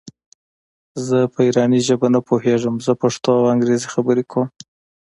زه په ایراني ژبه نه پوهېږم زه پښتو او انګرېزي خبري کوم.